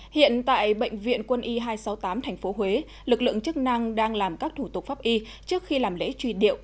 hiện tại bệnh viện quân y hai trăm sáu mươi tám tp huế lực lượng chức năng đang làm các thủ tục pháp y trước khi làm lễ truy điệu